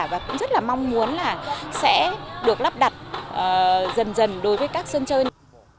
và cũng rất là mong muốn là sẽ được lắp đặt dần dần đối với các sân chơi